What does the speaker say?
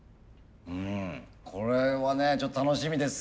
うんこれはねちょっと楽しみです。